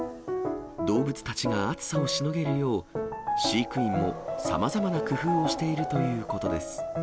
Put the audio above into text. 動物たちが暑さをしのげるよう、飼育員もさまざまな工夫をしているということです。